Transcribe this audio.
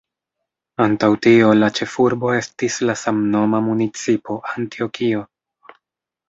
Antaŭ tio, la ĉefurbo estis la samnoma municipo Antjokio.